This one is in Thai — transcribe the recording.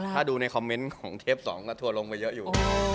ถ้าดูในคอมเมนต์ของเทป๒ก็ทัวร์ลงไปเยอะอยู่